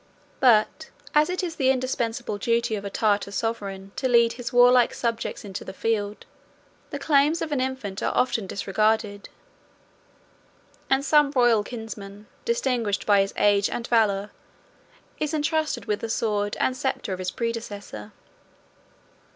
13 But, as it is the indispensable duty of a Tartar sovereign to lead his warlike subjects into the field, the claims of an infant are often disregarded; and some royal kinsman, distinguished by his age and valor, is intrusted with the sword and sceptre of his predecessor.